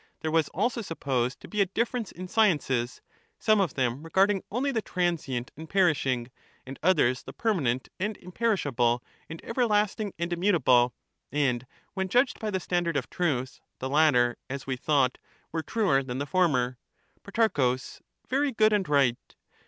There w^as also supposed to be a difference in sciences ; some of them regarding only the tcaasient_jind perishing, and others the permanent and imperishable and everlasting and immutable ; and when judged by the standard of truth, the latter, as we thought, were truer than the former. Pro. Very good and right.